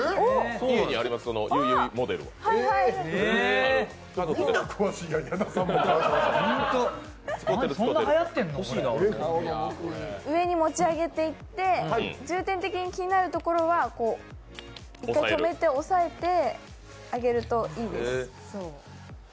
家にあります、そのゆいゆいモデル上に持ち上げていって、重点的に気になるところは一回止めて押さえてあげるといいです。